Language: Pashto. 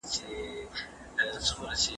تاسي تل د خپلي روغتیا په اړه پوهېږئ.